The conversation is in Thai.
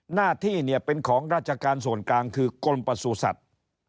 หน้าที่เนี่ยเป็นของราชการส่วนกลางคือกรมประสูจัตว์